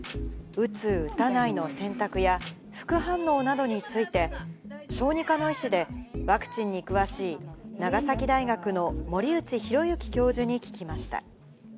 打つ・打たないの選択や、副反応などについて、小児科の医師で、ワクチンに詳しい、長崎大学の森内浩幸教授に聞きました。